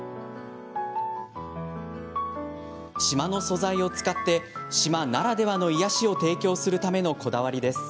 島の素材を使って島ならではの癒やしを提供するためのこだわりです。